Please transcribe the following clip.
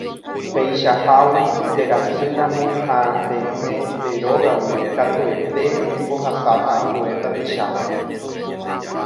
Peichahágui nderasýramo ha resẽ nde rógagui katuete embohasáta ambue tapichápe